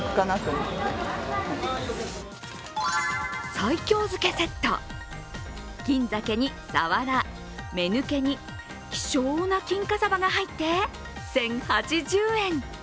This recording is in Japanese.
西京漬けセット、銀ざけにさわらめぬけに希少な金華さばが入って１０８０円。